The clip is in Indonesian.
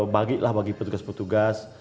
bagi lah bagi petugas petugas